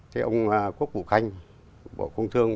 thì ông quốc vũ khanh bộ công thương